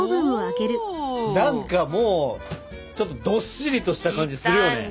何かもうちょっとどっしりとした感じするよね。